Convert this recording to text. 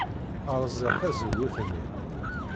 Rẓiɣ tazewwut-nni.